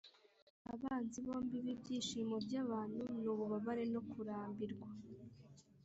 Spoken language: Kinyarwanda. “abanzi bombi b'ibyishimo by'abantu ni ububabare no kurambirwa.”